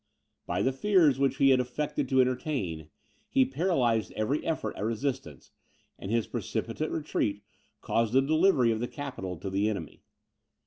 By the fears which he affected to entertain, he paralyzed every effort at resistance; and his precipitate retreat caused the delivery of the capital to the enemy.